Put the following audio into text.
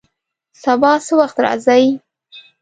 سبا څه وخت راځئ؟